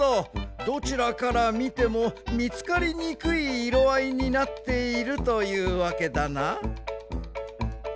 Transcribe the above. どちらからみてもみつかりにくい色あいになっているというわけだな。